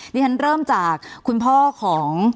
ที่ฉันเริ่มจากคุณพ่อของ